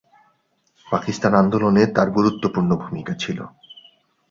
পাকিস্তান আন্দোলনে তাঁর গুরুত্বপূর্ণ ভূমিকা ছিল।